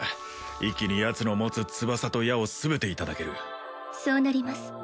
一気にヤツの持つ翼と矢を全ていただけるそうなります